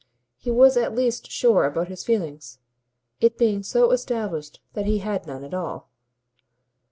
He was at least sure about his feelings it being so established that he had none at all.